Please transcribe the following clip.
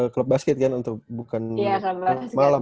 klub basket kan untuk bukan malam